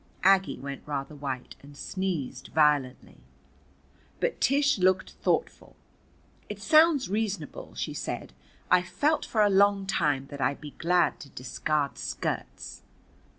Aggie went rather white and sneezed violently. But Tish looked thoughtful. "It sounds reasonable," she said. "I've felt for along time that I'd be glad to discard skirts.